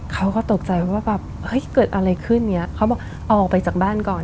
เขาก็ตกใจว่าเกิดอะไรขึ้นเขาบอกเอาออกไปจากบ้านก่อน